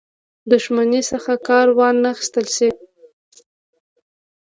دښمنۍ څخه کار وانه خیستل شي.